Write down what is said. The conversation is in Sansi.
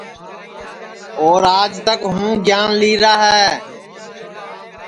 اور آج تک ہوں گیان لئیرا ہے